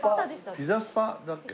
ピザスパだっけ？